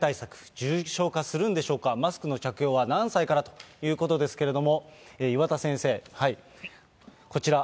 重症化するんでしょうか、マスクの着用は何歳から？ということですけれども、岩田先生、こちら。